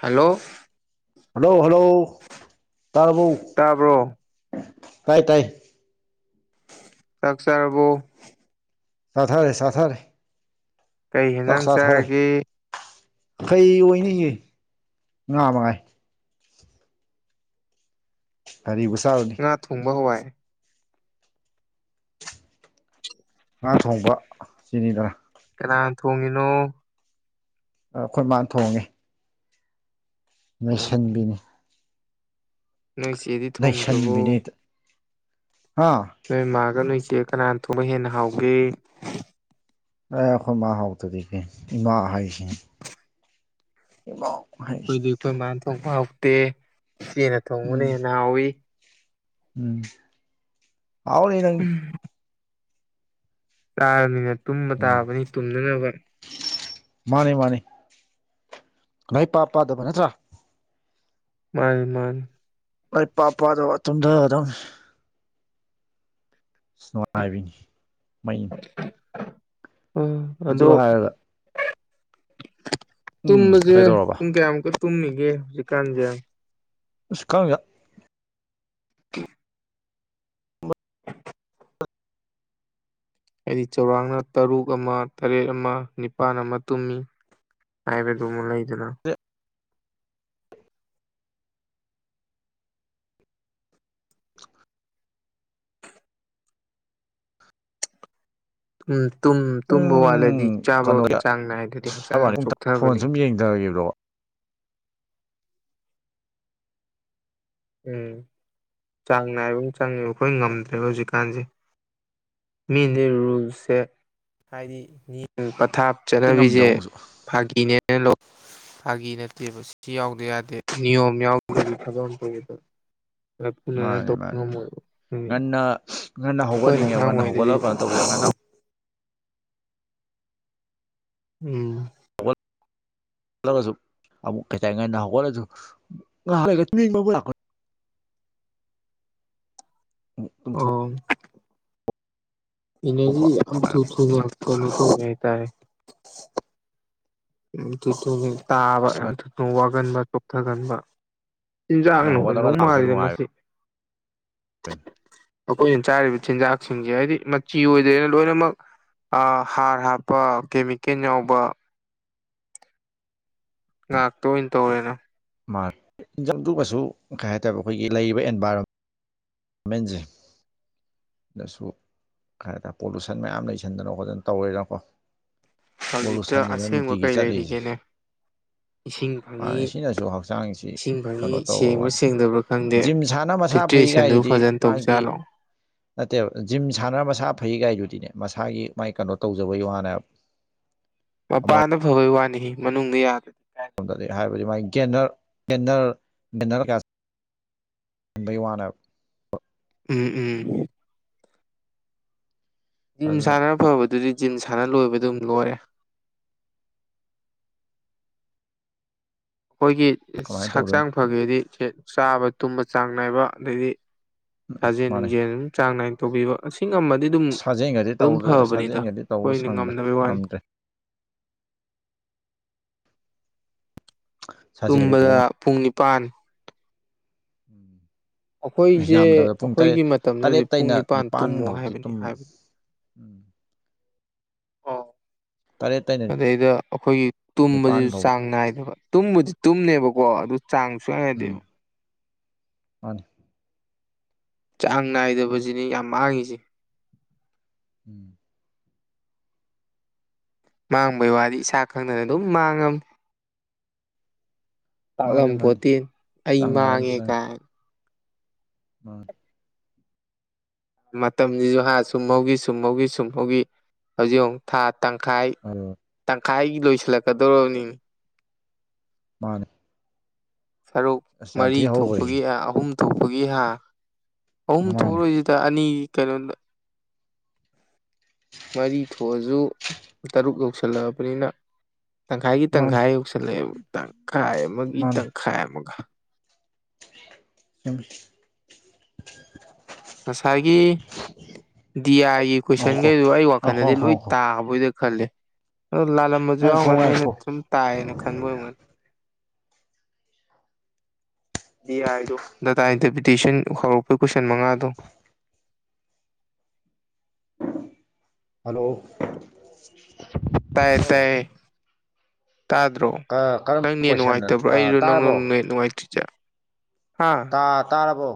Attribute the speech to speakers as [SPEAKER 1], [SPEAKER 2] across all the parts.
[SPEAKER 1] hello
[SPEAKER 2] hello hello ꯇꯥꯕꯕꯨ
[SPEAKER 1] ꯇꯥꯕ꯭ꯔꯣ
[SPEAKER 2] ꯇꯥꯏ ꯇꯥꯏ
[SPEAKER 1] ꯆꯥꯛꯆꯔꯕꯕꯨ
[SPEAKER 2] ꯁꯥꯠꯔꯦ ꯁꯥꯠꯔꯦ
[SPEAKER 1] ꯀꯩ ꯌꯦꯟꯖꯥꯡ
[SPEAKER 2] ꯁꯥꯠꯔꯦ
[SPEAKER 1] ꯆꯥꯔꯒꯦ
[SPEAKER 2] ꯈꯩꯌꯦ ꯉꯥ ꯃꯉꯥꯏ ꯀꯔꯤꯕꯕꯨꯁꯥꯎꯅꯤ
[SPEAKER 1] ꯉꯥ ꯊꯣꯡꯕ ꯍꯋꯥꯏ [unintelligible]
[SPEAKER 2] ꯉꯥ ꯊꯣꯡꯕ ꯁꯤꯅꯤꯗꯅ
[SPEAKER 1] ꯀꯅꯥ ꯊꯣꯡꯉꯤꯅꯣ
[SPEAKER 2] ꯑꯩꯈꯣꯏ ꯃꯥꯅ ꯊꯣꯡꯉꯦ
[SPEAKER 1] ꯑꯣ
[SPEAKER 2] ꯂꯣꯏꯁꯟꯕꯤꯅꯦ
[SPEAKER 1] ꯅꯣꯏ ꯆꯦꯗꯤ ꯊꯣꯡꯗ꯭ꯔꯕꯣ
[SPEAKER 2] ꯂꯩꯁꯟꯕꯤꯅꯦ ꯑꯥ
[SPEAKER 1] ꯍꯣꯏ ꯏ ꯃꯥꯒ ꯅꯣꯏ ꯏꯆꯦ ꯀꯅꯥꯅ ꯊꯣꯛꯄ ꯍꯦꯟꯅ ꯍꯥꯎꯒꯦ
[SPEAKER 2] ꯑꯦ ꯑꯩꯈꯣꯏ ꯃꯥ ꯍꯥꯎꯇꯔꯤꯒꯦ ꯏꯃꯥ ꯍꯥꯏꯁꯦ ꯏ [unintelligible]
[SPEAKER 1] ꯑꯩꯈꯣꯏꯗꯤ ꯑꯩꯈꯣꯏ ꯏ ꯃꯥꯅ ꯊꯣꯡꯕ ꯍꯥꯎꯇꯦ ꯏꯆꯦꯅ
[SPEAKER 2] ꯎꯝ
[SPEAKER 1] ꯊꯣꯡꯕꯅ ꯍꯦꯟꯅ ꯍꯥꯎꯋꯤ
[SPEAKER 2] ꯎꯝ ꯐꯥꯎ ꯂꯩ ꯅꯪ
[SPEAKER 1] ꯇꯥꯔꯕꯅꯤꯅ ꯇꯨꯝꯕ
[SPEAKER 2] ꯎꯝ
[SPEAKER 1] ꯇꯥꯕꯅꯤ ꯇꯨꯝꯅꯅꯕ
[SPEAKER 2] ꯃꯥꯅꯤ ꯃꯥꯅꯤ ꯅꯣꯏ ꯄꯥ ꯄꯥꯗꯕ ꯅꯠꯇ꯭ꯔ
[SPEAKER 1] ꯃꯥꯜꯃꯥꯟ
[SPEAKER 2] ꯃ ꯄꯥꯛ ꯄꯗ ꯃꯇꯨꯡꯗ ꯑꯗꯨꯝ ꯏꯁꯅꯣꯉꯥꯏꯕꯤꯅꯤ ꯃꯩꯅꯤ
[SPEAKER 1] ꯎꯝ
[SPEAKER 2] ꯑꯗꯨ ꯍꯥꯏꯔꯒ ꯎꯝ
[SPEAKER 1] ꯇꯨꯝꯕꯁꯦ
[SPEAKER 2] ꯀꯩꯗꯧꯔꯕ
[SPEAKER 1] ꯄꯨꯡ ꯀꯌꯥꯃꯨꯛꯀ ꯇꯨꯝꯃꯤꯒꯦ ꯍꯧꯖꯤꯛꯀꯥꯟꯁꯦ
[SPEAKER 2] ꯁꯀꯥꯎꯝ ꯌꯥ
[SPEAKER 1] ꯑꯩꯗꯤ ꯆꯥꯎꯧꯔꯥꯛꯅ ꯇꯔꯨꯛ ꯑꯃ ꯇꯔꯦꯠ ꯑꯃ ꯅꯤꯄꯥꯜ ꯑꯃ ꯇꯨꯝꯃꯤ ꯍꯥꯏꯥꯏꯕꯦꯒꯃ ꯂꯩꯗꯅ
[SPEAKER 2] ꯍ
[SPEAKER 1] ꯇꯨꯝꯕ ꯋꯥꯠꯂꯗꯤ
[SPEAKER 2] ꯄꯨꯡ
[SPEAKER 1] ꯆꯥꯕ
[SPEAKER 2] ꯀꯩꯅꯣꯗ
[SPEAKER 1] ꯆꯥꯡ ꯅꯥꯏꯗꯗꯤ ꯍꯛꯆꯥꯡ ꯌꯥꯝ ꯆꯣꯛꯊꯕꯅꯤ
[SPEAKER 2] ꯌꯦꯡꯊꯈꯤꯕ꯭ꯔꯣ
[SPEAKER 1] ꯎꯝ ꯆꯥꯡ ꯅꯥꯏꯕ ꯑꯃ ꯆꯪꯉꯦꯕ ꯑꯩꯈꯣꯏ ꯉꯝꯗ꯭ꯔꯦꯕ ꯍꯧꯖꯤꯛꯀꯥꯟꯁꯦ ꯃꯦꯟꯗ ꯔꯨꯜꯁꯦ ꯍꯥꯏꯗꯤꯜ ꯄꯊꯥꯞ
[SPEAKER 2] ꯉꯝꯗꯕ
[SPEAKER 1] ꯆꯠꯅꯕꯤꯁꯦ
[SPEAKER 2] ꯑꯃꯨꯛꯁꯨ
[SPEAKER 1] ꯐꯥꯒꯤꯅꯦꯅ ꯂꯧ ꯐꯥꯒꯤ ꯅꯠꯇꯦꯕ ꯁꯤ ꯌꯥꯎꯗꯦ ꯌꯥꯗꯦ ꯅꯤꯌꯣꯝ ꯌꯥꯎꯗꯕꯒꯤ ꯊꯕ
[SPEAKER 2] ꯃꯥꯅꯤ ꯃꯥꯅꯤ
[SPEAKER 1] ꯉꯝꯃꯣꯏꯕ ꯎꯝ ꯑꯩꯈꯣꯏꯅ
[SPEAKER 2] ꯉꯟꯅ ꯉꯟꯅ ꯍꯧꯒꯠꯅꯤꯡꯉꯦꯕ
[SPEAKER 1] ꯑꯉꯥꯡ
[SPEAKER 2] ꯉꯟꯅ
[SPEAKER 1] ꯑꯣꯏꯔꯤꯉꯩꯗꯗꯤ
[SPEAKER 2] ꯍꯧꯒꯠꯂꯒ ꯀꯩꯅꯣ ꯇꯧꯕꯖꯦ ꯉꯟꯅ ꯍꯧ
[SPEAKER 1] ꯎꯝ
[SPEAKER 2] ꯁꯨ ꯑꯃꯨꯛ ꯀꯩꯇꯁꯨ ꯑꯃꯨꯛ ꯇꯨꯝꯊꯣꯛ
[SPEAKER 1] ꯑꯣ ꯏꯅꯔꯖꯤ ꯌꯥꯝ ꯊꯨ ꯊ ꯀꯃꯤ ꯀ ꯀꯇꯥꯦ ꯊꯨ ꯊꯨꯅ ꯇꯥꯕ
[SPEAKER 2] ꯑꯁ
[SPEAKER 1] ꯌꯥꯝ ꯊꯨꯅ ꯋꯥꯒꯟꯕ ꯆꯣꯛꯊꯒꯟꯕ
[SPEAKER 2] ꯉꯟꯅ
[SPEAKER 1] ꯆꯤꯟꯖꯥꯛꯅꯈꯣꯏ
[SPEAKER 2] ꯍꯧꯒꯠꯂꯒ
[SPEAKER 1] ꯅꯧ
[SPEAKER 2] ꯂꯥꯛꯄꯁꯨ
[SPEAKER 1] ꯃꯥꯜꯂꯤꯗ ꯃꯁꯤ
[SPEAKER 2] ꯅꯨꯡꯉꯥꯏꯕꯅꯤ [inaudible]
[SPEAKER 1] ꯑꯩꯈꯣꯏꯅ ꯆꯥꯔꯤꯕ ꯆꯤꯟꯖꯥꯛꯁꯤꯡꯁꯦ ꯍꯥꯏꯕꯗꯤ ꯃꯆꯤ ꯑꯣꯏꯗ꯭ꯔꯦꯅ ꯂꯣꯏꯅꯃꯛ ꯍꯥꯔ ꯍꯥꯞꯄ ꯀꯦꯃꯤꯀꯦꯟ ꯌꯥꯎꯕ ꯉꯍꯥꯛꯇ ꯑꯣꯏꯅ ꯇꯧꯔꯦꯅ
[SPEAKER 2] ꯃꯥꯔ ꯏꯟꯖꯪꯗꯨꯕꯁꯨ ꯀꯩ ꯍꯥꯏꯥꯏꯇꯥꯦ ꯑꯩꯈꯣꯏꯒꯤ ꯂꯩꯔꯤꯕ ꯑꯦꯟꯚꯥꯏꯔꯣꯟ ꯃꯦꯟꯖꯦ ꯗꯁꯨ ꯀꯩ ꯍꯥꯏꯇꯥꯔꯦ ꯄꯣꯂꯨꯁꯟ ꯃꯌꯥꯝ ꯂꯩꯁꯟꯗꯅ ꯈꯣꯠꯇꯅ ꯇꯧꯋꯦꯅꯀꯣ ꯕꯣꯂꯨ
[SPEAKER 1] ꯍꯧꯖꯤꯛꯇ
[SPEAKER 2] ꯁꯟꯉꯗ
[SPEAKER 1] ꯑꯁꯦꯡꯕ
[SPEAKER 2] ꯅꯨꯡꯇꯤꯒꯤ
[SPEAKER 1] ꯀꯩ
[SPEAKER 2] ꯆꯠꯂꯤꯁꯦ
[SPEAKER 1] ꯂꯩꯔꯤꯒꯦꯅꯦ ꯏꯁꯤꯡ
[SPEAKER 2] ꯃꯥꯅꯦ
[SPEAKER 1] ꯐꯪꯉꯤ
[SPEAKER 2] ꯁꯤꯅꯁꯨ ꯍꯛꯆꯥꯡꯁꯤ
[SPEAKER 1] ꯏꯁꯤꯡ ꯐꯪꯉꯤ
[SPEAKER 2] ꯀꯩꯅꯣ ꯇꯧꯕ
[SPEAKER 1] ꯁꯦꯡꯕ꯭ꯔꯥ
[SPEAKER 2] ꯋꯥꯅꯤ
[SPEAKER 1] ꯁꯦꯡꯗꯕ꯭ꯔꯥ ꯈꯪꯗꯦ
[SPEAKER 2] ꯖꯤꯝ ꯁꯥꯟꯅꯕ ꯃꯁꯥ ꯐꯩ
[SPEAKER 1] ꯐꯤꯜꯇ꯭ꯔꯦꯁꯟꯗꯨ
[SPEAKER 2] ꯀꯥꯏꯗꯨꯗꯤ
[SPEAKER 1] ꯐꯖꯅ
[SPEAKER 2] ꯃꯥꯒꯤ
[SPEAKER 1] ꯇꯧꯖꯥꯠꯂꯣ
[SPEAKER 2] ꯅꯠꯇꯦꯕ ꯖꯤꯝ ꯁꯥꯟꯅꯔ ꯃꯁꯥ ꯐꯩꯒꯥꯏꯗꯨꯗꯤꯅꯦ ꯃꯁꯥꯒꯤ ꯃꯥꯏ ꯀꯩꯅꯣ ꯇꯧꯖꯕꯒꯤ ꯋꯥꯅꯦꯕ
[SPEAKER 1] ꯃꯄꯥꯅ ꯐꯕꯩ ꯋꯥꯅꯤ ꯃꯅꯨꯡꯗ ꯌꯥꯗ
[SPEAKER 2] ꯝꯗꯗꯤ ꯍꯥꯏꯕꯗꯤ ꯃꯥꯒꯤ ꯒꯦꯟꯅꯔ ꯒꯦꯟꯅꯔ ꯒꯦꯟꯅꯔ ꯀꯌꯥ ꯟꯗꯩ ꯋꯥꯅꯞ
[SPEAKER 1] ꯎꯝ ꯎꯝ ꯖꯤꯝ
[SPEAKER 2] ꯑꯗꯨꯅ
[SPEAKER 1] ꯁꯥꯟꯅ ꯐꯕꯗꯨꯗꯤ ꯖꯤꯝ ꯁꯥꯟꯅ ꯂꯣꯏꯕꯗꯨꯝ ꯂꯣꯏꯔꯦ ꯑꯩꯈꯣꯏꯒꯤ
[SPEAKER 2] ꯀꯃꯥꯏꯅ ꯇꯧꯗꯣꯏꯅꯣ
[SPEAKER 1] ꯍꯛꯆꯥꯡ ꯐꯒꯦꯗꯤ ꯆꯥꯕ ꯇꯨꯝꯕ ꯆꯥꯡ ꯅꯥꯏꯕ ꯑꯗꯩꯗꯤ ꯁꯥꯖꯦꯜ
[SPEAKER 2] ꯃꯥꯅꯦ
[SPEAKER 1] ꯅꯨꯡꯖꯦꯜ ꯑꯗꯨꯝ ꯆꯥꯡ ꯅꯥꯏꯅ ꯇꯧꯕꯤꯕ ꯑꯁꯤ ꯉꯝꯃꯗꯤ ꯑꯗꯨꯝ
[SPEAKER 2] ꯁꯥꯖꯦꯟꯒꯗꯤ
[SPEAKER 1] ꯑꯗꯨꯝ
[SPEAKER 2] ꯇꯧꯗ꯭ꯔꯦꯗ
[SPEAKER 1] ꯐꯕꯅꯤꯗ
[SPEAKER 2] ꯁꯥꯖꯦꯟꯒꯗꯤ ꯇꯧꯕ
[SPEAKER 1] ꯑꯩꯈꯣꯏꯅ
[SPEAKER 2] ꯁꯪꯗ꯭ꯔꯦ
[SPEAKER 1] ꯉꯝꯅꯕꯩ ꯋꯥꯅꯤ
[SPEAKER 2] ꯉꯝꯗ꯭ꯔꯦ ꯁꯥꯖꯦꯜꯒꯗꯤ
[SPEAKER 1] ꯇꯨꯝꯕꯗ
[SPEAKER 2] ꯇꯧꯕ
[SPEAKER 1] ꯄꯨꯡ ꯅꯤꯄꯥꯟ
[SPEAKER 2] ꯎꯝ
[SPEAKER 1] ꯑꯩꯈꯣꯏꯁꯦ
[SPEAKER 2] ꯌꯥꯝꯗꯕꯗ ꯄꯨꯡ ꯇꯔꯦꯠ
[SPEAKER 1] ꯑꯩꯈꯣꯏꯒꯤ ꯃꯇꯝꯁꯦ ꯍꯧꯖꯤꯛ ꯄꯨꯡ
[SPEAKER 2] ꯇꯔꯦꯠꯇꯩꯩꯅ
[SPEAKER 1] ꯅꯤꯄꯥꯟ
[SPEAKER 2] ꯅꯤꯄꯥꯥꯟ
[SPEAKER 1] ꯇꯨꯝꯃꯣ
[SPEAKER 2] ꯕꯥꯎꯗꯤ
[SPEAKER 1] ꯍꯥꯏꯕꯅꯤ
[SPEAKER 2] ꯇꯨꯝ
[SPEAKER 1] ꯍꯥꯏꯕꯗꯤ
[SPEAKER 2] ꯎꯝ ꯇꯔꯦꯠꯇꯩꯅꯦ
[SPEAKER 1] ꯑꯗꯩꯗ ꯑꯩꯈꯣꯏꯒꯤ ꯇꯨꯝꯕꯁꯤ ꯆꯥꯡ ꯅꯥꯏꯗꯕ ꯇꯨꯝꯕꯨꯗꯤ ꯇꯨꯝꯅꯦꯕꯀꯣ ꯑꯗꯨ ꯆꯥꯡ
[SPEAKER 2] ꯎꯝ
[SPEAKER 1] ꯁꯨꯠꯅꯥꯏꯗꯦꯕ
[SPEAKER 2] ꯃꯥꯅꯤ
[SPEAKER 1] ꯆꯥꯡ ꯅꯥꯏꯗꯕꯁꯤꯅꯤ ꯌꯥꯝ ꯃꯥꯡꯉꯤꯁꯤ
[SPEAKER 2] ꯎꯝ
[SPEAKER 1] ꯃꯥꯡꯕꯩ ꯋꯥꯗꯤ ꯏꯁꯥ ꯈꯪꯗꯅ ꯑꯗꯨꯝ ꯃꯥꯡꯉꯝꯅꯤ
[SPEAKER 2] ꯃꯥꯅꯦ ꯃꯥꯅꯦ
[SPEAKER 1] ꯇꯥꯛꯂꯝꯄꯣꯠꯇꯦꯟ ꯑꯩ
[SPEAKER 2] ꯆꯥꯡ ꯅꯥꯏꯕ
[SPEAKER 1] ꯃꯥꯡꯉꯦ ꯀꯥꯏ
[SPEAKER 2] ꯑ
[SPEAKER 1] ꯃꯇꯝꯖꯤꯖꯨ ꯍꯥ ꯁꯨꯝꯍꯧꯒꯤ ꯁꯨꯝꯍꯧꯒꯤ ꯁꯨꯝꯍꯧꯒꯤ ꯍꯧꯖꯤꯛ ꯌꯦꯡꯉꯨ ꯊꯥ ꯇꯪꯈꯥꯏ
[SPEAKER 2] ꯇꯥꯕ꯭ꯔꯣ
[SPEAKER 1] ꯇꯪꯈꯥꯏꯒꯤ ꯂꯣꯏꯁꯤꯜꯂꯛꯀꯗꯧꯔꯕꯅꯤ
[SPEAKER 2] ꯃꯥꯅꯦ
[SPEAKER 1] ꯁꯔꯨꯛ
[SPEAKER 2] ꯑꯁ ꯌꯥꯝ
[SPEAKER 1] ꯃꯔꯤ
[SPEAKER 2] ꯊꯤ
[SPEAKER 1] ꯊꯣꯛꯄꯒꯤ
[SPEAKER 2] ꯍꯧꯈ꯭ꯔꯦ
[SPEAKER 1] ꯑ ꯑꯍꯨꯝ ꯊꯣꯛꯄꯒꯤ ꯍꯥ ꯑꯍꯨꯝ
[SPEAKER 2] ꯃꯥꯅꯤ
[SPEAKER 1] ꯊꯣꯛꯑꯔꯣꯏꯖꯤꯗ ꯑꯅꯤꯒꯤ ꯀꯩꯅꯣꯗ ꯃꯔꯤ ꯊꯣꯛꯑꯖꯨ ꯇꯔꯨꯛ ꯌꯧꯁꯤꯜꯂꯛꯑꯕꯅꯤꯅ ꯇꯪꯈꯥꯏꯒꯤ
[SPEAKER 2] ꯃꯥꯅꯤ
[SPEAKER 1] ꯇꯪꯈꯥꯏ ꯌꯧꯁꯜꯂꯛꯑꯦꯕ ꯇꯪꯈꯥꯏ ꯑꯃꯒꯤ
[SPEAKER 2] ꯃꯥꯅꯤ
[SPEAKER 1] ꯇꯪꯈꯥꯏ ꯑꯃꯒ
[SPEAKER 2] [inaudible]
[SPEAKER 1] ꯉꯁꯥꯏꯒꯤ ꯗꯤ ꯑꯥꯏꯒꯤ
[SPEAKER 2] ꯉꯥꯏꯈꯣꯀꯣ
[SPEAKER 1] ꯀꯣꯏꯁꯟꯒꯩꯗꯣ ꯑꯩ
[SPEAKER 2] ꯉꯥꯏꯈꯣ
[SPEAKER 1] ꯋꯥꯈꯟꯗꯗꯤ ꯂꯣꯏ
[SPEAKER 2] ꯉꯥꯏꯈꯣ ꯉꯥꯏꯈꯣ
[SPEAKER 1] ꯇꯥꯕꯣꯏꯗ ꯈꯜꯂꯦ ꯑꯗꯣ ꯂꯥꯜꯂꯝꯕꯖꯨ
[SPEAKER 2] ꯉꯥꯏꯈꯣ
[SPEAKER 1] ꯌꯥꯎꯔꯝꯒꯅꯤ ꯑꯩꯅ
[SPEAKER 2] ꯉꯥꯏꯈꯣ
[SPEAKER 1] ꯁꯨꯝ ꯇꯥꯏꯌꯦꯅ ꯈꯟꯕ ꯑꯣꯏꯔꯝꯒꯅꯤ ꯗꯤ ꯑꯥꯏꯗꯣ ꯗꯇꯥ ꯏꯟꯇ꯭ꯔꯄꯤꯇꯦꯁꯟ ꯍꯧꯔꯛꯄ ꯀꯣꯏꯁꯟ ꯃꯉꯥꯗꯣ
[SPEAKER 2] ꯍꯜꯂꯣ
[SPEAKER 1] ꯇꯥꯏꯌꯦ
[SPEAKER 2] ꯍꯜꯂꯣ
[SPEAKER 1] ꯇꯥꯏꯌꯦ ꯇꯥꯗ꯭ꯔꯣ ꯅꯪ
[SPEAKER 2] ꯀꯔꯝꯕ
[SPEAKER 1] ꯅꯦꯠ
[SPEAKER 2] ꯀꯣꯏꯁꯟ
[SPEAKER 1] ꯅꯨꯡꯉꯥꯏꯇꯕ꯭ꯔꯣ ꯑꯩꯔꯣ ꯅꯪꯂꯣ
[SPEAKER 2] ꯇꯥꯔꯕꯣ
[SPEAKER 1] ꯅꯦꯠ ꯅꯨꯡꯉꯥꯏꯇ꯭ꯔꯤꯖꯦ ꯍꯥ
[SPEAKER 2] ꯑꯥ ꯇꯥꯔꯕꯣ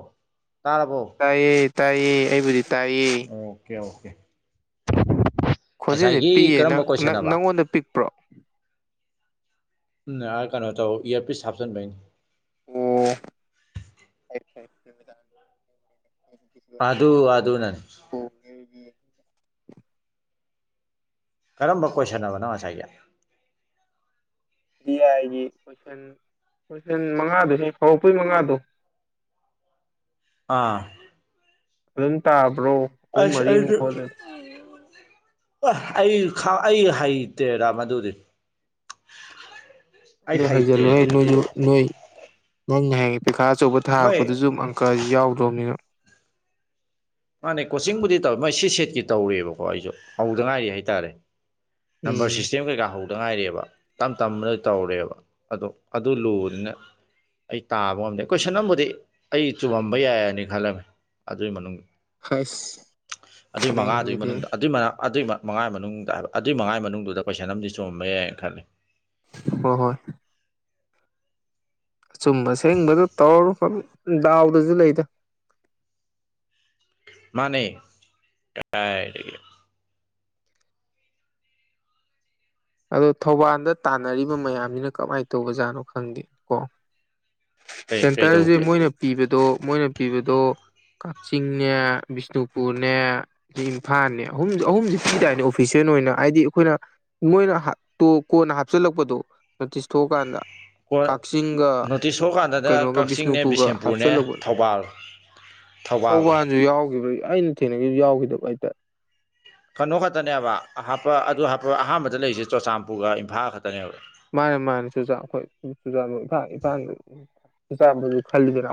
[SPEAKER 2] ꯇꯥꯔꯕꯣ
[SPEAKER 1] ꯇꯥꯏꯌꯦ ꯇꯥꯏꯌꯦ ꯑꯩꯕꯨꯗꯤ ꯇꯥꯏꯌꯦ
[SPEAKER 2] ꯑꯣꯀꯦ ꯑꯣꯀꯦ
[SPEAKER 1] ꯈꯣꯟꯖꯦꯜꯁꯦ
[SPEAKER 2] ꯉꯁꯥꯏꯒꯤ
[SPEAKER 1] ꯄꯤꯛꯑꯦ
[SPEAKER 2] ꯀꯔꯝꯕ
[SPEAKER 1] ꯅꯪ
[SPEAKER 2] ꯀꯣꯏꯁꯟ
[SPEAKER 1] ꯅꯪ
[SPEAKER 2] ꯑꯕ
[SPEAKER 1] ꯅꯪꯉꯣꯟꯗ ꯄꯤꯛꯄ꯭ꯔꯣ
[SPEAKER 2] ꯎꯝ ꯅꯑ ꯀꯩꯅꯣ ꯇꯧ ꯏꯌ꯭ꯔꯄꯤꯁ ꯍꯥꯞꯆꯟꯕꯩꯅꯤ
[SPEAKER 1] ꯑꯣ ꯐꯩ ꯐꯩ
[SPEAKER 2] ꯑꯗꯨ ꯑꯗꯨꯅꯅꯤ ꯀꯔꯝꯕ ꯀꯣꯏꯁꯟ ꯑꯕ ꯅꯪ ꯉꯁꯥꯏꯒꯤ
[SPEAKER 1] ꯗꯤ ꯑꯥꯏꯒꯤ ꯀꯣꯏꯁꯟ ꯀꯣꯏꯁꯟ ꯃꯉꯥꯗꯨꯍꯦ ꯍꯧꯔꯛꯄꯩ ꯃꯉꯥꯗꯣ
[SPEAKER 2] ꯑꯥ
[SPEAKER 1] ꯐꯖꯅ ꯇꯥꯕ꯭ꯔꯣ ꯑꯍꯨꯝ
[SPEAKER 2] ꯑꯁ
[SPEAKER 1] ꯃꯔꯤꯃꯨꯛ
[SPEAKER 2] ꯑꯩꯁꯨ
[SPEAKER 1] ꯍꯣꯠꯂꯦ
[SPEAKER 2] ꯑꯩ ꯈꯪ ꯑꯩ ꯍꯩꯇꯦꯗ ꯃꯗꯨꯗꯤ ꯑꯩ
[SPEAKER 1] ꯑꯗꯨ
[SPEAKER 2] ꯍꯩꯇꯦ
[SPEAKER 1] ꯍꯩꯖꯜꯂꯨꯍꯦ
[SPEAKER 2] ꯑꯗꯨꯗꯤ
[SPEAKER 1] ꯅꯣꯏꯖꯨ ꯅꯣꯏ ꯅꯪꯅ ꯍꯌꯦꯜ ꯄꯩꯈꯥ ꯑꯆꯧꯕ
[SPEAKER 2] ꯍꯣꯏ
[SPEAKER 1] ꯊꯥꯔꯛꯄꯗꯨꯖꯨ ꯀꯖꯤ ꯌꯥꯎꯗ꯭ꯔꯣꯝꯅꯤꯅ
[SPEAKER 2] ꯃꯥꯅꯦ ꯀꯣꯆꯤꯡꯕꯨꯗꯤ ꯇꯧ ꯃꯣꯏ ꯁꯤ ꯁꯦꯠꯀꯤ ꯇꯧꯔꯤꯏꯕꯀꯣ ꯑꯩꯖꯨ ꯍꯧꯗ ꯉꯥꯏꯔꯤ ꯍꯥꯏꯇꯥꯔꯦ ꯅꯝꯕ꯭ꯔ
[SPEAKER 1] ꯎꯝ
[SPEAKER 2] ꯁꯤꯁꯇꯦꯝ ꯀꯩꯀꯥ ꯍꯧ ꯍꯧꯗ ꯉꯥꯏꯔꯤ ꯑꯕ ꯇꯝ ꯇꯝꯔ ꯇꯧꯔꯦꯕ ꯑꯗꯣ ꯑꯗꯨ ꯂꯨꯕꯅꯤꯅ ꯑꯩ ꯇꯥꯕ ꯉꯝꯗꯦ ꯀꯣꯏꯁꯟ ꯑꯃꯕꯨꯗꯤ ꯑꯩ ꯆꯨꯝꯃꯝꯕ ꯌꯥꯏꯅꯤ ꯈꯜꯂꯝꯃꯦ ꯑꯗꯨꯏ ꯃꯅꯨꯡꯗ
[SPEAKER 1] ꯍꯥꯏꯁ
[SPEAKER 2] ꯑꯗꯨꯏ ꯃꯉꯥꯗꯨꯒꯤ ꯃꯅꯨꯡꯗ ꯑꯗꯨꯏꯃ ꯑꯗꯨꯏꯃ ꯃꯉꯥ ꯃꯅꯨꯡꯗ ꯍꯥꯏꯕ ꯑꯗꯨꯏ ꯃꯉꯥꯏ ꯃꯅꯨꯡꯗꯨꯗ ꯀꯣꯏꯁꯟ ꯑꯃꯗꯤ ꯆꯨꯝꯃꯝꯕ ꯌꯥꯏꯅ ꯈꯜꯂꯤ
[SPEAKER 1] ꯍꯣ ꯍꯣꯏ ꯑꯆꯨꯝꯕ ꯑꯁꯦꯡꯕꯗꯣ ꯇꯧꯔꯔꯣ ꯑꯗꯨ ꯗꯥꯎꯗꯖꯨ ꯂꯩꯗ
[SPEAKER 2] ꯃꯥꯅꯦ ꯀꯗꯥꯏꯗꯒꯤ
[SPEAKER 1] ꯑꯗꯣ ꯊꯧꯕꯥꯟꯗ ꯇꯥꯟꯅꯔꯤꯕ ꯃꯌꯥꯝꯖꯤꯅ ꯀꯃꯥꯏ ꯇꯧꯕꯖꯥꯠꯅꯣ ꯈꯪꯗꯦ ꯀꯣ
[SPEAKER 2] ꯀꯩ
[SPEAKER 1] ꯁꯦꯟꯇ꯭ꯔꯖꯦ
[SPEAKER 2] ꯀꯩꯗꯧꯒꯦ
[SPEAKER 1] ꯃꯣꯏꯅ ꯄꯤꯕꯗꯣ ꯃꯣꯏꯅ ꯄꯤꯕꯗꯣ ꯀꯥꯛꯆꯤꯡꯅꯦ ꯕꯤꯁꯅꯨꯄꯨꯔꯅꯦ ꯏꯝꯐꯥꯟꯅꯦ ꯑꯍꯨꯝꯖꯦ ꯑꯍꯨꯝꯖꯦ ꯄꯤꯗꯥꯏꯅꯦ ꯑꯣꯐꯤꯁꯦꯟ ꯑꯣꯏꯅ ꯑꯥꯏꯗꯤ ꯑꯩꯈꯣꯏꯅ ꯃꯣꯏꯅ ꯍꯥꯠ ꯇꯣꯛ ꯀꯣꯟꯅ ꯍꯥꯞꯆꯤꯜꯂꯛꯄꯗꯣ ꯅꯣꯇꯤꯁ ꯊꯣꯛꯑꯀꯥꯟꯗ
[SPEAKER 2] ꯀꯣꯟ
[SPEAKER 1] ꯀꯥꯛꯆꯤꯡꯒ
[SPEAKER 2] ꯅꯣꯇꯤꯁ ꯊꯣꯛꯀꯥꯟꯗꯅ
[SPEAKER 1] ꯀꯩꯅꯣꯒ
[SPEAKER 2] ꯀꯛꯆꯤꯡꯅꯦ
[SPEAKER 1] ꯕꯤꯁꯅꯨꯄꯨꯒ
[SPEAKER 2] ꯕꯤꯁꯦꯝꯄꯨꯔꯅꯦ
[SPEAKER 1] ꯍꯥꯞꯆꯜꯂꯛꯄꯅꯤ
[SPEAKER 2] ꯊꯧꯕꯥꯜ ꯊꯧꯕꯥꯜꯒ
[SPEAKER 1] ꯊꯧꯕꯥꯟꯖꯨ ꯌꯥꯎꯒꯤꯕ꯭ꯔ ꯑꯩꯅ ꯊꯦꯡꯅꯒꯤꯕ ꯌꯥꯎꯒꯤꯗꯕ ꯑꯩꯇ
[SPEAKER 2] ꯀꯅꯣ ꯈꯛꯇꯅꯦꯕ ꯑꯍꯥꯞꯄ ꯑꯗꯨ ꯍꯥꯞꯄ ꯑꯍꯥꯟꯕꯗ ꯂꯩꯔꯤꯖꯦ ꯆꯣꯆꯥꯟꯄꯨꯔꯒ ꯏꯝꯐꯥꯜ ꯈꯛꯇꯅꯦꯕ
[SPEAKER 1] ꯃꯥꯅꯦ ꯃꯥꯅꯦ ꯆꯨꯖꯥꯛ ꯑꯩꯈꯣꯏ ꯆꯨꯖꯥꯟꯄꯨꯔ ꯏꯝꯐꯥꯟ ꯏꯐꯥꯟ ꯆꯨꯆꯥꯟꯄꯨꯔ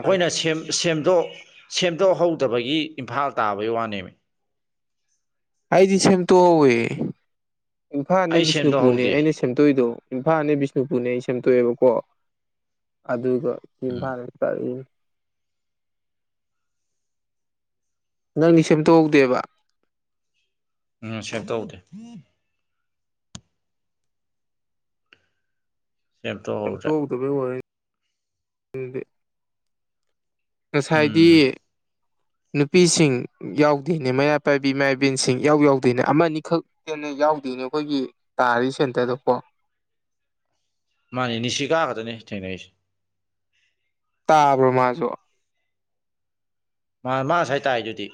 [SPEAKER 2] ꯑꯈꯣꯏꯅ ꯁꯦꯝ‌ ꯁꯦꯝꯗꯣꯛ ꯁꯦꯝꯗꯣꯛꯍꯧꯗꯕꯒꯤ ꯏꯝꯐꯥꯜ ꯇꯥꯕꯩ ꯋꯥꯅꯦꯃꯤ
[SPEAKER 1] ꯑꯩꯗꯤ ꯁꯦꯝꯇꯣꯛꯎꯧꯋꯦ ꯏꯝꯐꯥꯜꯅꯦ
[SPEAKER 2] ꯑꯩ
[SPEAKER 1] ꯕꯤꯁꯅꯨꯄꯨꯔꯅꯦ
[SPEAKER 2] ꯁꯦꯝꯗꯣꯛꯍꯧꯗꯦ
[SPEAKER 1] ꯑꯩꯅ ꯁꯦꯝꯇꯣꯏꯏꯗꯣ ꯏꯝꯐꯥꯜꯅꯦ ꯕꯤꯁꯅꯨꯄꯨꯔꯅꯦ ꯑꯩ ꯁꯦꯝꯇꯣꯛꯑꯦꯕꯀꯣ ꯑꯗꯨꯒ
[SPEAKER 2] ꯎꯝ
[SPEAKER 1] ꯏꯝꯐꯥꯜ ꯇ ꯅꯪꯗꯤ ꯁꯦꯝꯗꯣꯛꯍꯧꯗꯦꯕ
[SPEAKER 2] ꯎꯝ ꯁꯦꯚ ꯇꯧꯗꯦ
[SPEAKER 1] ꯌꯥꯝ
[SPEAKER 2] ꯁꯦꯝꯗꯣꯛꯍꯧꯗ꯭ꯔꯦ
[SPEAKER 1] ꯇꯧꯗꯕ ꯉꯁꯥꯏꯗꯤ
[SPEAKER 2] ꯎꯝ
[SPEAKER 1] ꯅꯨꯄꯤꯁꯤꯡ ꯌꯥꯎꯗꯣꯏꯅꯦ ꯃꯩꯔꯥ ꯄꯥꯏꯕꯤ ꯏꯃꯥ ꯏꯕꯦꯟꯁꯤꯡ ꯏꯎ ꯌꯥꯎꯗꯣꯏꯅꯦ ꯑꯃ ꯑꯅꯤꯈꯛ ꯦꯟꯅ ꯌꯥꯎꯗꯣꯏꯅꯦ ꯑꯩꯈꯣꯏꯒꯤ ꯇꯥꯔꯤ ꯁꯦꯟꯇꯔꯗ ꯀꯣ
[SPEAKER 2] ꯃꯥꯅꯦ ꯅꯤꯁꯤ ꯀꯥꯒꯗꯅꯤ ꯊꯦꯡꯅꯔꯤꯁꯦ
[SPEAKER 1] ꯇꯥꯕ꯭ꯔꯣ ꯃꯥꯁꯨ
[SPEAKER 2] ꯃꯥ ꯃꯥꯁ ꯍꯥꯏꯇꯥꯔꯦ ꯑꯗꯨꯗꯤ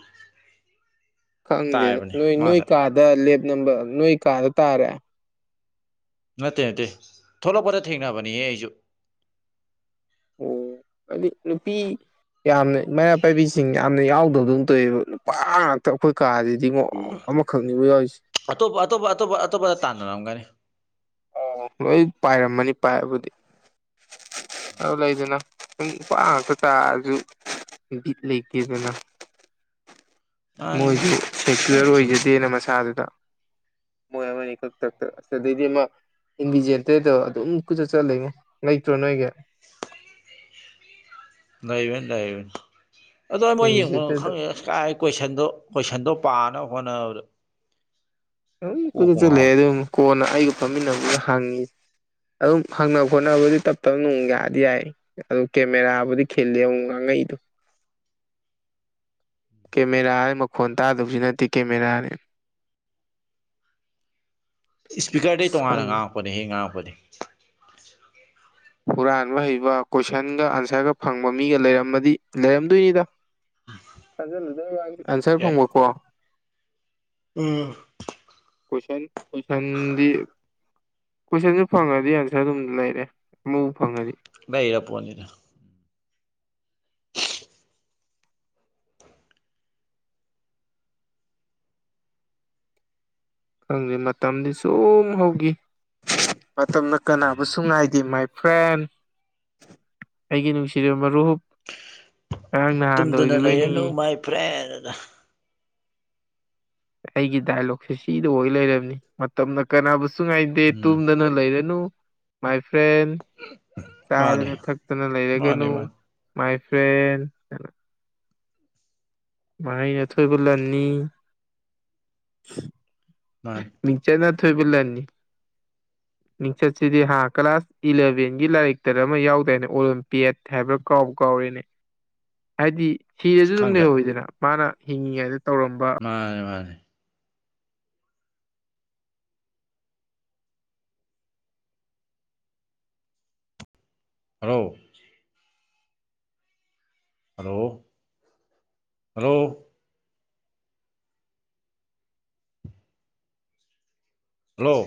[SPEAKER 1] ꯈꯪꯗꯦꯗ ꯅꯣꯏ
[SPEAKER 2] ꯃꯥ
[SPEAKER 1] ꯅꯣꯏ
[SPEAKER 2] ꯉꯁꯥꯏ
[SPEAKER 1] ꯀꯥꯗ ꯂꯦꯞ ꯅꯝꯕꯔ ꯅꯣꯏ ꯀꯥꯗ ꯇꯥꯔꯦ
[SPEAKER 2] ꯅꯠꯇꯦ ꯅꯠꯇꯦ ꯊꯣꯛꯂꯛꯄꯗ ꯊꯦꯡꯅꯕꯅꯤꯍ ꯑꯩꯁꯨ
[SPEAKER 1] ꯑꯣ ꯑꯗꯨ ꯅꯨꯄꯤ ꯌꯥꯝꯅ ꯃꯩꯔꯥ ꯄꯥꯏꯕꯤꯁꯤꯡ ꯌꯥꯝꯅ ꯌꯥꯎꯗꯕꯗꯧꯅ ꯇꯧꯋꯦꯕ ꯅꯨꯄꯥ ꯉꯥꯛꯇ ꯑꯩꯈꯣꯏ ꯀꯥꯁꯤꯗꯤ ꯈꯨꯗꯤꯃꯛ ꯑꯃꯈꯛꯅꯤꯕ ꯌꯥꯎꯔꯤꯁꯦ
[SPEAKER 2] ꯑꯇꯣꯞꯄ ꯑꯇꯣꯞꯄ ꯑꯇꯣꯞꯄ ꯑꯇꯣꯞꯄꯗ ꯇꯥꯟꯅꯔꯝꯒꯅꯤ
[SPEAKER 1] ꯑ ꯂꯣꯏ ꯄꯥꯏꯔꯝꯃꯅꯤ ꯄꯥꯏꯕꯨꯗꯤ ꯑꯗꯨ ꯂꯩꯗꯅ ꯅ ꯅꯨꯄꯥ ꯉꯥꯛꯇ ꯆꯥꯔꯁꯨꯠ ꯂꯩꯇꯦꯗꯅ
[SPEAKER 2] ꯃꯥꯅꯤ
[SPEAKER 1] ꯃꯣꯏꯁꯨ
[SPEAKER 2] ꯃꯥꯅꯤ
[SPEAKER 1] ꯁꯦꯀꯨꯂꯔ
[SPEAKER 2] ꯑꯗꯨꯝ ꯁꯨꯝ
[SPEAKER 1] ꯑꯣꯏꯖꯗꯦꯅ ꯃꯁꯥꯗꯨꯗ ꯗꯤ ꯏꯟꯕꯤ ꯦꯟꯇꯗꯣ ꯑꯗꯨꯝ ꯀꯨꯆꯠ ꯆꯠꯂ ꯂꯩꯅꯦ ꯂꯩꯇ꯭ꯔꯣ ꯅꯣꯏꯒꯤ
[SPEAKER 2] ꯂꯩꯥꯏꯕꯦꯟ ꯂꯩꯥꯛꯕ ꯑꯗꯨꯗꯣ ꯃꯣꯏ ꯌꯦꯡ
[SPEAKER 1] ꯏꯟꯚꯤꯖꯦꯇꯔꯗꯣ
[SPEAKER 2] ꯈꯪꯉꯦ ꯀꯥꯏ ꯀꯣꯏꯁꯟꯗꯣ ꯀꯣꯏꯁꯟꯗꯣ ꯄꯥꯅꯕ ꯍꯣꯠꯅꯕꯗꯣ
[SPEAKER 1] ꯑꯗꯨꯝ ꯀꯣꯏꯠ ꯆꯜꯂꯑꯦ
[SPEAKER 2] ꯉꯥꯎꯋꯦ
[SPEAKER 1] ꯑꯗꯨꯝ ꯀꯣꯟꯅ ꯑꯩꯒ ꯐꯝꯃꯤꯟꯅꯕꯅ ꯍꯪꯉꯤ ꯑꯗꯨꯝ ꯍꯪꯅ ꯈꯣꯠꯅꯕꯗꯤ ꯇꯞ ꯇꯞꯅ ꯅꯨꯡ ꯌꯥꯗꯤ ꯌꯥꯏ ꯑꯗꯨ ꯀꯦꯃꯦꯔꯥꯕꯨꯗꯤ ꯈꯤꯜꯂꯤꯦ ꯑꯃꯨ ꯉꯥꯡꯉꯩꯗꯣ ꯀꯦꯃꯦꯔꯥ ꯍꯥꯏ ꯃꯈꯣꯟ ꯇꯥꯗꯕꯁꯨ ꯅꯠꯇꯦ ꯀꯦꯃꯦꯔꯥꯅꯤ
[SPEAKER 2] ꯏꯁꯄꯤꯀꯔꯗꯩ
[SPEAKER 1] ꯑꯁ
[SPEAKER 2] ꯇꯣꯉꯥꯟꯅ
[SPEAKER 1] ꯈꯪꯗꯦ
[SPEAKER 2] ꯉꯥꯡꯉꯛꯄꯅꯦ ꯍꯦꯛ ꯉꯥꯡꯉꯛꯄꯅꯦ
[SPEAKER 1] ꯍꯨꯔꯥꯟꯕ ꯍꯩꯕ ꯀꯣꯏꯁꯟꯒ ꯑꯟꯁꯔꯒ ꯐꯪꯕ ꯃꯤꯒ ꯂꯩꯔꯝꯃꯗꯤ ꯂꯩꯔꯝꯗꯣꯏꯅꯤꯗ ꯈꯖꯂ ꯑꯟꯁꯔ
[SPEAKER 2] ꯌꯥꯏ
[SPEAKER 1] ꯐꯪꯕꯀꯣ
[SPEAKER 2] ꯎꯝ
[SPEAKER 1] ꯀꯁꯟ ꯀꯣꯏꯁꯟꯗꯤ ꯀꯣꯏꯁꯟꯁꯨ ꯐꯪꯉꯗꯤ ꯑꯟꯁꯔ ꯑꯗꯨꯝ ꯂꯩꯔꯦ ꯑꯃꯕꯨ ꯐꯪꯉꯗꯤ
[SPEAKER 2] ꯏꯔ ꯄꯅꯤꯅ
[SPEAKER 1] ꯈꯪꯗꯦ ꯃꯇꯝꯗꯤ ꯁꯨꯝ ꯍꯧꯈꯤ ꯃꯇꯝꯅ ꯀꯅꯥꯕꯨꯁꯨ ꯉꯥꯏꯗꯦ ꯃꯥꯏ ꯐ꯭ꯔꯦꯟ ꯑꯩꯒꯤ ꯅꯨꯡꯁꯤꯔꯕ ꯃꯔꯨꯞ ꯉꯔꯥꯡ ꯅꯍꯥꯟꯗ
[SPEAKER 2] ꯇꯨꯝꯗꯨꯅ
[SPEAKER 1] ꯑꯣꯏꯒꯤꯕꯣꯏ
[SPEAKER 2] ꯂꯩꯔꯅꯨ
[SPEAKER 1] ꯅꯤꯡꯏꯤ
[SPEAKER 2] [unintelligible]
[SPEAKER 1] ꯑꯩꯒꯤ ꯗꯥꯏꯂꯣꯛꯁꯦ ꯁꯤꯗ ꯑꯣꯏ ꯂꯩꯔꯕꯅꯤ ꯃꯇꯝꯅ ꯀꯅꯥꯕꯨꯁꯨ ꯉꯥꯏꯗꯦ
[SPEAKER 2] ꯎꯝ
[SPEAKER 1] ꯇꯨꯝꯗꯅ ꯂꯩꯔꯅꯨ ꯃꯥꯏ ꯐ꯭ꯔꯦꯟ
[SPEAKER 2] ꯃꯥꯅꯦ
[SPEAKER 1] ꯆꯥꯗꯅ ꯊꯛꯇꯅ
[SPEAKER 2] ꯃꯥꯅꯦ
[SPEAKER 1] ꯂꯩꯔꯒꯅꯨ
[SPEAKER 2] ꯃꯥꯅꯦ
[SPEAKER 1] ꯃꯥꯏ ꯐ꯭ꯔꯦꯟ ꯃꯍꯩꯅ ꯑꯊꯣꯏꯕ ꯂꯟꯅꯤ
[SPEAKER 2] ꯃꯥꯟ
[SPEAKER 1] ꯆꯩꯅ ꯊꯣꯏꯕ ꯂꯟꯅꯤ
[SPEAKER 2] [unintelligible]
[SPEAKER 1] ꯅꯤꯡꯡꯆꯠꯁꯤꯗꯤ ꯍꯥ ꯀ꯭ꯂꯥꯁ ꯏꯂꯚꯦꯟꯒꯤ ꯂꯥꯏꯔꯤꯛꯇꯗ ꯑꯃ ꯌꯥꯎꯗꯦꯅꯦ ꯑꯣꯂꯦꯝꯄꯤꯌꯠ ꯍꯥꯏꯕ꯭ꯔꯥ ꯀꯥꯎꯕ ꯀꯥꯎꯔꯤꯅꯦ
[SPEAKER 2] [unintelligible]
[SPEAKER 1] ꯍꯥꯏꯗꯤ ꯁꯤꯔꯁꯨ ꯑꯗꯨꯝ
[SPEAKER 2] ꯈꯪꯗꯦ
[SPEAKER 1] ꯂꯩꯍꯧꯋꯤꯗꯅ ꯃꯥꯅ ꯍꯤꯡꯉꯤꯉꯩꯗ ꯇꯧꯔꯝꯕ
[SPEAKER 2] ꯃꯥꯅꯦ ꯃꯥꯅꯦ ꯍꯔꯣ ꯍꯜꯂꯣ ꯍꯂꯣ ꯍꯂꯣ